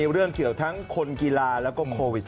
เรื่องเกี่ยวทั้งคนกีฬาแล้วก็โควิด๑